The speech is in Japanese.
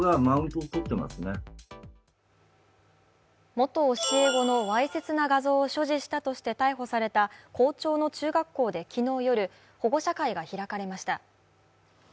元教え子のわいせつな画像を所持したとして逮捕された校長の中学校で昨日夜、保護者会が開かれました。